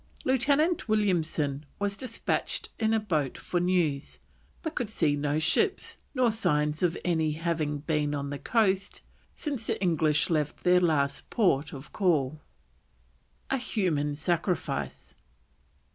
Lieutenant Williamson was despatched in a boat for news, but could see no ships, nor signs of any having been on the coast since the English left their last port of call. A HUMAN SACRIFICE.